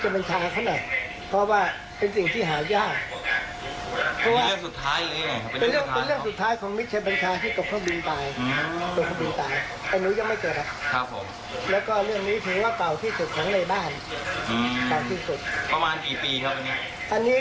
เป็นเรื่องสุดท้ายของมิชเชียวเป็นชายที่กลับบินตาย